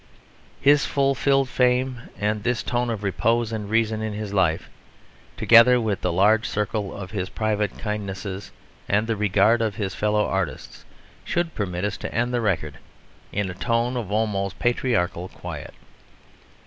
His fulfilled fame and this tone of repose and reason in his life, together with the large circle of his private kindness and the regard of his fellow artists, should permit us to end the record in a tone of almost patriarchal quiet.